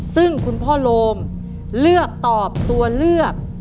ซึ่งคุณพ่อโรมเลือกตอบตัวเลือก